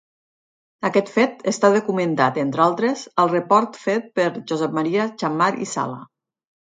Aquest fet està documentat entre altres al report fet per Josep Maria Xammar i Sala.